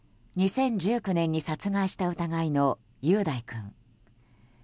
２０１９年に殺害した疑いの雄大君。